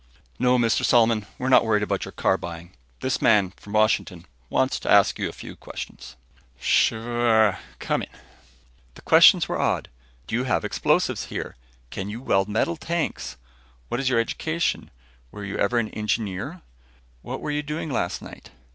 "No, Mr. Solomon, we're not worried about your car buying. This man, from Washington, wants to ask you a few questions." "Sure, come in," Solomon replied. The questions were odd: Do you have explosives here? Can you weld metal tanks? What is your education? Were you ever an engineer? What were you doing last night?